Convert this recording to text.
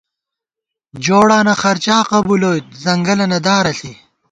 جوڑانہ خرچا قبُولوئیت ، ځنگَلَنہ دارہ ݪی